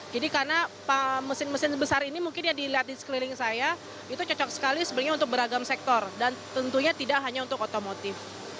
jadi karena mesin mesin besar ini mungkin yang dilihat di sekeliling saya itu cocok sekali sebenarnya untuk beragam sektor dan tentunya tidak hanya untuk otomotif